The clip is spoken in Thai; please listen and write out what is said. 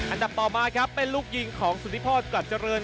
อันดับต่อมาครับเป็นลูกยิงของสุธิพรกลัดเจริญ